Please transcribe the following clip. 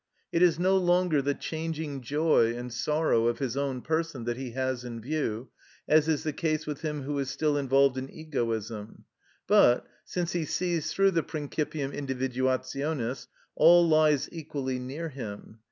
It is no longer the changing joy and sorrow of his own person that he has in view, as is the case with him who is still involved in egoism; but, since he sees through the principium individuationis, all lies equally near him.